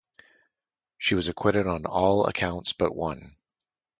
She was acquitted on all accounts but one.